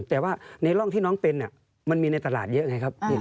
แต่ว่าในร่องที่น้องเป็นมันมีในตลาดเยอะไงครับ